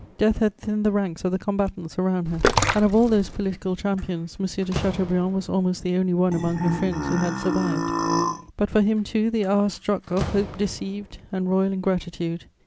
Death had thinned the ranks of the combatants around her, and, of all those political champions, M. de Chateaubriand was almost the only one among her friends who had survived. But for him too the hour struck of hope deceived and royal ingratitude.